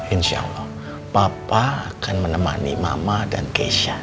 insya allah papa akan menemani mama dan keisha